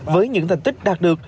với những thành tích đạt được